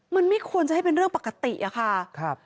มันไม่ควรจะให้เป็นเรื่องปกติอะค่ะ